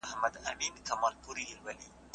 هغه وويل چي حق ويل مهم دی.